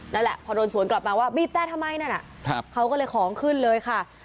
นั่นแหละพอโดนสวนกลับมาว่าบีบแตรนทำไมนั่นนะ